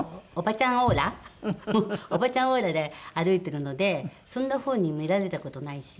おばちゃんオーラで歩いてるのでそんな風に見られた事ないし。